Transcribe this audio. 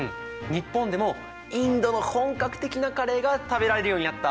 日本でもインドの本格的なカレーが食べられるようになった。